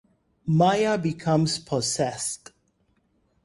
Maya becomes possessed.